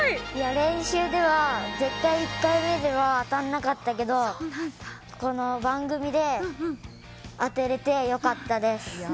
練習では絶対１回目では当たらなかったけど、この番組で、当てれて良かったです。